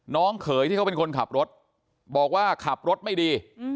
เขยที่เขาเป็นคนขับรถบอกว่าขับรถไม่ดี